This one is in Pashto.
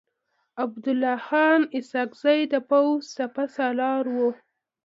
عبدالله خان اسحق زی د پوځ سپه سالار و.